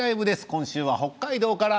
今週は北海道から。